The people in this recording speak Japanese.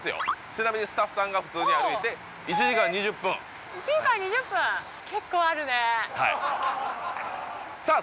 ちなみにスタッフさんが普通に歩いて１時間２０分１時間２０分結構あるねはいさあ